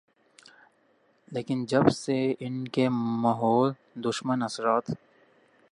لیکن جب سے ان کے ماحول دشمن اثرات